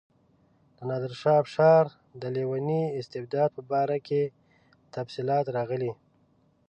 د نادرشاه افشار د لیوني استبداد په باره کې تفصیلات راغلي.